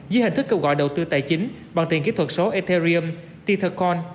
dưới hình thức kêu gọi đầu tư tài chính bằng tiền kỹ thuật số ethereum tethercoin